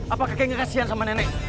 apa kakek ngerasain sama nenek